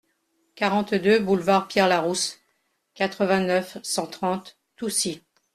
quarante-deux boulevard Pierre Larousse, quatre-vingt-neuf, cent trente, Toucy